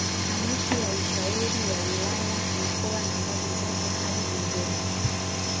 Kamati ya ushauri ya wilaya mikoa na ngazi zote hadi bungeni